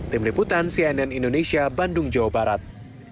tim liputan cnn indonesia bandung jawa barat